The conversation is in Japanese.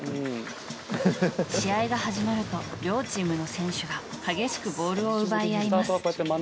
試合が始まると両チームの選手が激しくボールを奪い合います。